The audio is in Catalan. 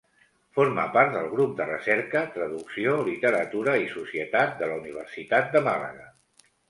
Forma part del grup de recerca Traducció, literatura i societat de la Universitat de Màlaga.